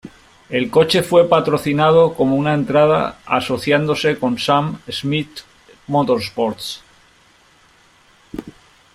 El coche fue patrocinado como una entrada asociándose con Sam Schmidt Motorsports.